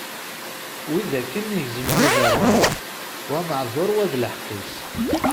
Wid akken i gezzmen iberdan, wa meɛdur, wa d lḥeqq-is.